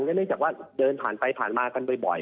เนื่องจากว่าเดินผ่านไปผ่านมากันบ่อย